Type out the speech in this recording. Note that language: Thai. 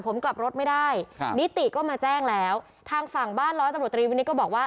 ผมกลับรถไม่ได้ครับนิติก็มาแจ้งแล้วทางฝั่งบ้านร้อยตำรวจตรีวินิตก็บอกว่า